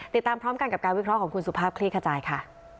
ติดตามพร้อมกันกับการวิเคราะห์ของคุณสุภาพคลี่ขจายค่ะ